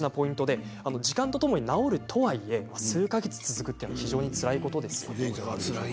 時間とともに治るとはいえ数か月続くのはつらいことですよね。。